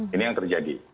ini yang terjadi